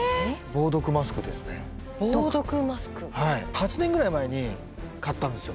８年ぐらい前に買ったんですよ。